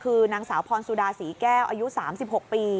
คือนางสาวพรสุดาศรีแก้วอายุ๓๖ปี